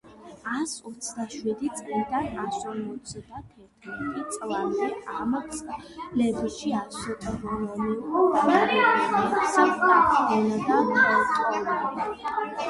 ასს ოცდაშვიდი წლიდან ასს ორმოცდა თერთმეტ წლამდე ამ წლებში ასტრონომიულ დაკვირვებებს ახდენდა პტოლმე.